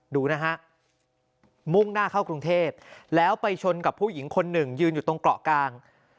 ดูนะฮะมุ่งหน้าเข้ากรุงเทพแล้วไปชนกับผู้หญิงคนหนึ่งยืนอยู่ตรงเกาะกลาง